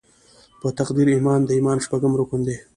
په تقدیر ایمان د ایمان شپږم رکن دې.